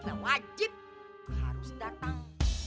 saya wajib harus datang